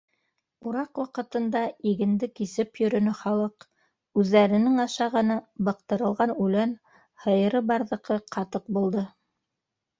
Ураҡ ваҡытында игенде кисеп йөрөнө халыҡ — үҙҙәренең ашағаны быҡтырылған үлән, һыйыры барҙыҡы - ҡатыҡ булды.